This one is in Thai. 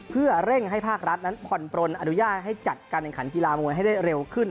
เพื่อเร่งให้ภาครัฐนั้นผ่อนปลนอนุญาตให้จัดการแข่งขันกีฬามวยให้ได้เร็วขึ้น